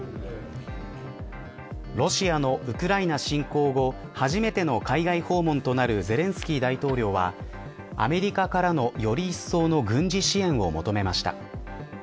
ロシアのウクライナ侵攻後初めての海外訪問となるゼレンスキー大統領はアメリカからのより一層の軍事支援を求めました。